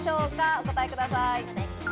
お答えください。